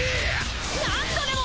何度でも！